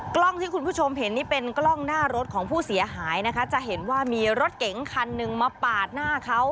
กล้องที่คุณผู้ชมเห็นนี่เป็นกล้องหน้ารถของผู้เสียหายนะคะจะเห็นว่ามีรถเก๋งคันหนึ่งมาปาดหน้าเขา